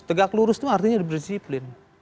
tegak lurus itu artinya berdisiplin